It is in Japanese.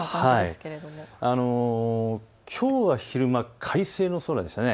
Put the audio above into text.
きょうは昼間快晴の空でしたね。